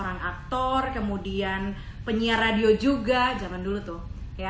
naya juga jaman dulu tuh